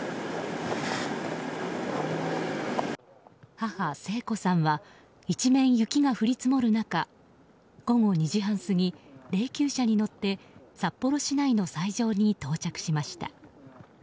母・聖子さんは一面雪が降り積もる中午後２時半過ぎ、霊柩車に乗って札幌市内の斎場に到着しました。